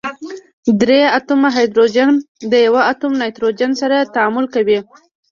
درې اتومه هایدروجن د یوه اتوم نایتروجن سره تعامل کوي.